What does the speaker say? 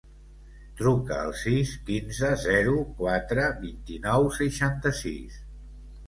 Truca al sis, quinze, zero, quatre, vint-i-nou, seixanta-sis.